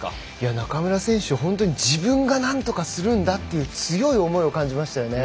中村選手、本当に自分が何とかするんだという強い思いを感じましたよね。